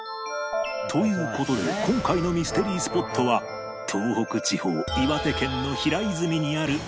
という事で今回のミステリースポットは東北地方岩手県の平泉にある中尊寺